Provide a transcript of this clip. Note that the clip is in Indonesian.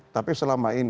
tapi selama ini